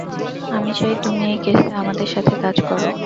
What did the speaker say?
আমি চাই তুমি এই কেসে আমাদের সাথে কাজ করো।